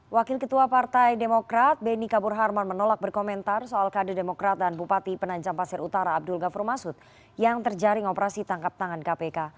wakil ketua partai demokrat beni kabur harman menolak berkomentar soal kader demokrat dan bupati penajam pasir utara abdul ghafur masud yang terjaring operasi tangkap tangan kpk